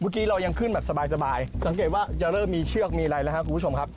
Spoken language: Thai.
เรายังขึ้นแบบสบายสังเกตว่าจะเริ่มมีเชือกมีอะไรแล้วครับคุณผู้ชมครับ